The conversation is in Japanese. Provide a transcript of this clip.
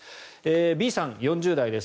Ｂさん、４０代です。